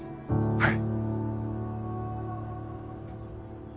はい。